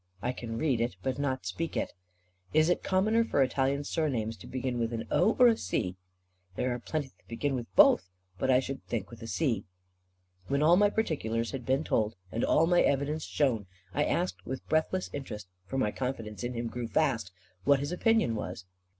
"I can read it, but not speak it." "Is it commoner for Italian surnames to begin with an O, or with a C?" "There are plenty beginning with both; but more I should think with a C." When all my particulars had been told, and all my evidence shown, I asked with breathless interest for my confidence in him grew fast what his opinion was.